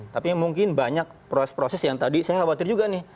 tapi mungkin banyak proses proses yang tadi saya khawatir juga nih